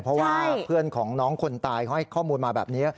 เพราะว่าเพื่อนของน้องคนตายเขาให้ข้อมูลมาแบบนี้